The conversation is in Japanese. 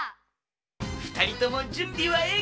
ふたりともじゅんびはええか？